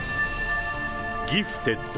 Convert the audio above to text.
ギフテッド。